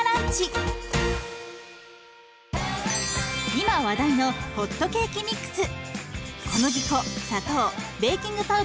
今話題のホットケーキミックス。